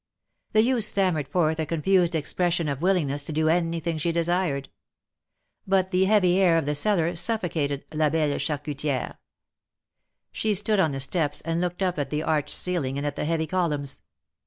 The youth stammered forth a confused expression of willingness to do anything she desired. But the heavy air of the cellar suffocated belle charcutih'eJ^ She stood on the steps, and looked up at the arched ceiling and at the heavy columns.